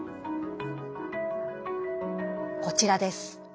こちらです。